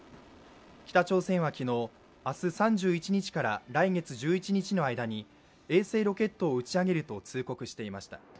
北朝鮮は昨日明日３１日から来月１１日までの間に衛星ロケットを打ち上げると通告していました。